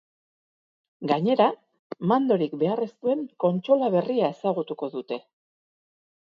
Gainera, mandorik behar ez duen kontsola berria ezagutuko dute.